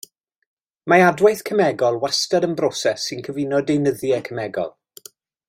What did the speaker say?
Mae adwaith cemegol wastad yn broses sy'n cyfuno deunyddiau cemegol.